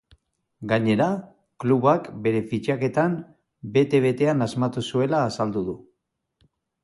Gainera, klubak bere fitxaketan bete betean asmatu zuela azaldu du.